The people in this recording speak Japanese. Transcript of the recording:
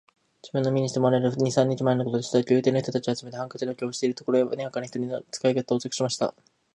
自由の身にしてもらえる二三日前のことでした。宮廷の人たちを集めて、ハンカチの余興をしているところへ、にわかに一人の使が到着しました。